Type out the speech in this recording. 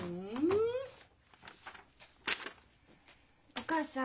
お母さん。